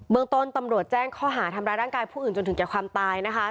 เมืองต้นตำรวจแจ้งข้อหาทำร้ายร่างกายผู้อื่นจนถึงแก่ความตายนะคะ